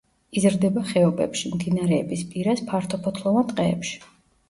იზრდება ხეობებში, მდინარეების პირას ფართოფოთლოვან ტყეებში.